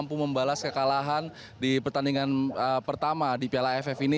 mampu membalas kekalahan di pertandingan pertama di piala aff ini